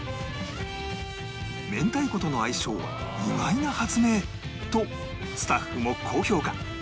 明太子との相性は意外な発明！とスタッフも高評価